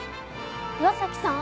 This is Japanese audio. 岩崎さん。